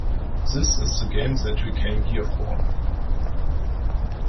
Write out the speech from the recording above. This is the game that we came here for.